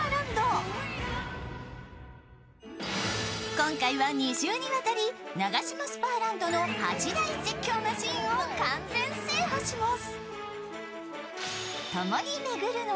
今回は２週にわたり、ナガシマスパーランドの８大絶叫マシーンを完全制覇します。